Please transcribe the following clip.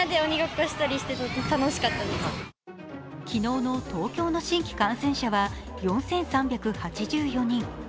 昨日の東京の新規感染者は４３８４人。